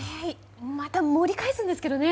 盛り返すんですけどね。